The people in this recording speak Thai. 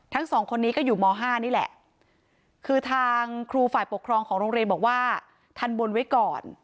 ทั้งสองคนนี้ก็อยู่ม๕นี่แหละคือทางครูฝ่ายปกครองของโรงเรียนบอกว่าทันบนไว้ก่อน